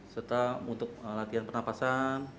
serta untuk latihan pernafasan